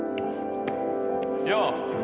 よう。